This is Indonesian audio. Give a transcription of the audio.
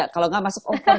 kalau nggak masuk over